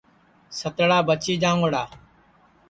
ستڑا بچی جاؤنٚگڑا